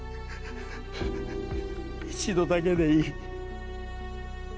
一度だけでいい。